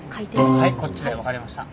はいこっちで分かりました。